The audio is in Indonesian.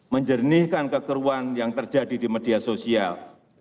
menjernihkan kekeruan yang terjadi di media sosial